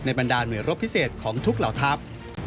บรรดาหน่วยรบพิเศษของทุกเหล่าทัพ